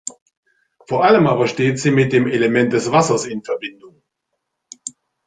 Vor allem aber steht sie mit dem Element des Wassers in Verbindung.